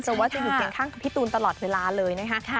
แต่ว่าจะอยู่เคียงข้างกับพี่ตูนตลอดเวลาเลยนะคะ